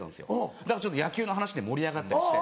だからちょっと野球の話で盛り上がったりして。